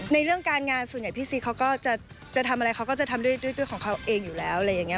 เรื่องการงานส่วนใหญ่พี่ซีเขาก็จะทำอะไรเขาก็จะทำด้วยของเขาเองอยู่แล้วอะไรอย่างนี้